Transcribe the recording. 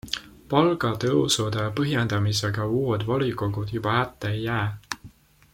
Palgatõusude põhjendamisega uued volikogud juba hätta ei jää.